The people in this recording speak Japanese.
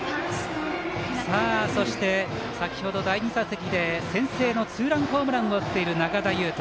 そして先ほど第２打席で先制のツーランホームランを打っている仲田侑仁。